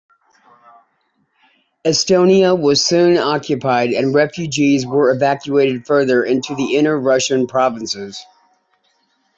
Estonia was soon occupied, and refugees were evacuated further into the inner Russian provinces.